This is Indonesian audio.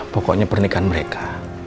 pokoknya pernikahan mereka